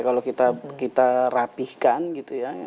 kalau kita rapihkan gitu ya